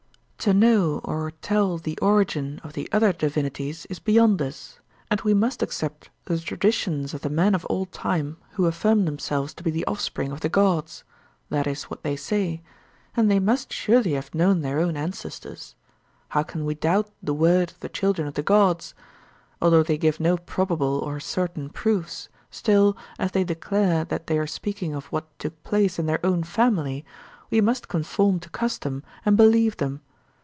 To know or tell the origin of the other divinities is beyond us, and we must accept the traditions of the men of old time who affirm themselves to be the offspring of the gods—that is what they say—and they must surely have known their own ancestors. How can we doubt the word of the children of the gods? Although they give no probable or certain proofs, still, as they declare that they are speaking of what took place in their own family, we must conform to custom and believe them.